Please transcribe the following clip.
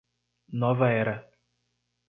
Nova Era